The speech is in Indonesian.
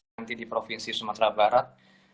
nanti di provinsi sumatera barat